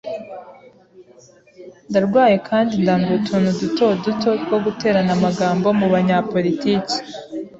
Ndarwaye kandi ndambiwe utuntu duto duto two guterana amagambo mu banyapolitiki.